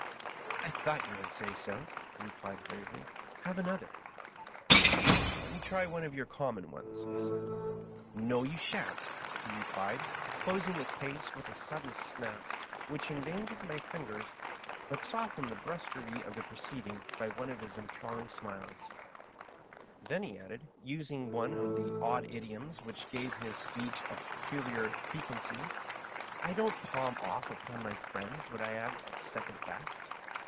" I thought you would say so," he replied, gravely. " Have another 1 " "Let me try one of your common ones," I said. " No, you shan't 1 " he replied, closing the case with a sudden snap, which endangered my fingers, but soften ing the hrusqicerie of the proceeding by one of his en thralling smiles; then he added, using one of the odd idioms which gave his speech a peculiar piquancy, "I don't palm off upon my friends what I have of second best."